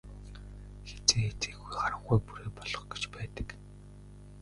Хэзээ хэзээгүй харанхуй бүрий болох гэж байдаг.